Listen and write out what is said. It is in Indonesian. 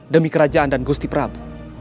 demi kerajaan dan gusti prabu